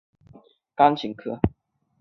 她对音乐的兴趣来自小时候的钢琴课。